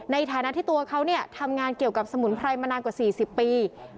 ในฐานะที่ตัวเขาทำงานเกี่ยวกับสมุนไพรมานานกว่า๔๐ปี